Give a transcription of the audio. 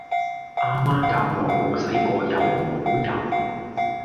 阿媽教落冇沖洗過又唔好游